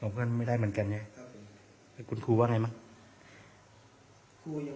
ของเพื่อนไม่ได้เหมือนกันไงครับผมคุณครูว่าไงมั้งครูยัง